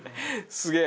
すげえ！